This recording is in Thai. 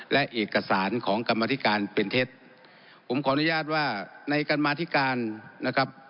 และเอกสารของกรรมธิการเป็นเท็จผมขออนุญาตว่าในการมาธิการนะครับ